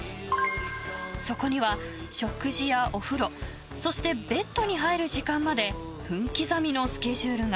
そこには、食事やお風呂そして、ベッドに入る時間まで分刻みのスケジュールが。